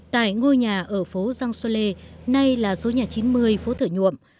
tại ngôi nhà ở phố giang solê nay là số nhà chín mươi phố thở nhuộm